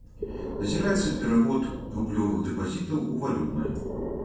Назіраецца перавод рублёвых дэпазітаў у валютныя.